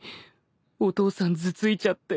お父さん頭突いちゃって。